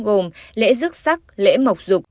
gồm lễ rước sắc lễ mộc rục